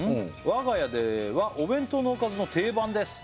「我が家ではお弁当のおかずの定番です」